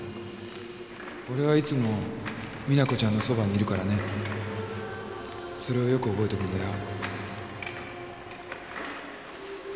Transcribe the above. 俺はいつも実那子ちゃんのそばにいるからねそれをよく覚えとくんだよ